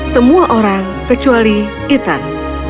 semua orang kecuali ethan